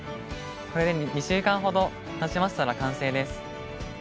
これで２週間ほどたちましたら完成です。